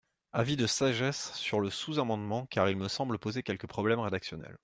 Avis de sagesse sur le sous-amendement car il me semble poser quelques problèmes rédactionnels.